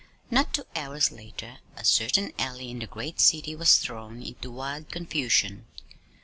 Not two hours later a certain alley in the great city was thrown into wild confusion.